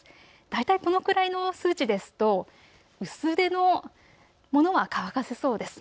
大体、このくらいの数値ですと薄手のものは乾かせそうです。